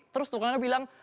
terus tukangnya bilang